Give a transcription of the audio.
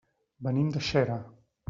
Venim de Xera.